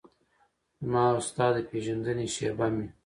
زما او ستا د پیژندنې شیبه مې